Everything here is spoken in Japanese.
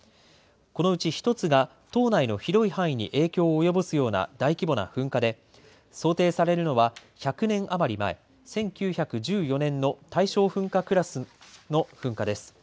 このうち１つが島内の広い範囲に影響を及ぼすような、大規模な噴火で想定されるのは、１００年余り前１９１４年の大正噴火クラスの噴火です。